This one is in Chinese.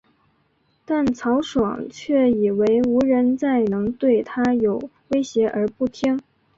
但曹爽却以为无人再能对他有威胁而不听。